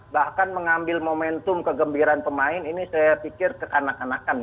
bahkan mengambil momentum kegembiraan pemain ini saya pikir kekanak kanakan